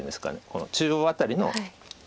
この中央辺りの。